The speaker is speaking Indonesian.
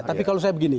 tapi kalau saya begini